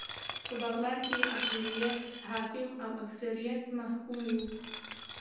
په بغلان کې اقليت حاکم او اکثريت محکوم و